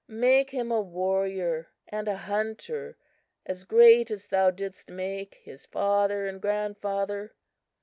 Make him a warrior and a hunter as great as thou didst make his father and grandfather."